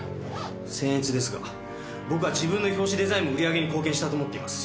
僭越ですが僕は自分の表紙デザインも売り上げに貢献したと思っています。